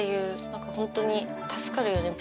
何か本当に助かるよね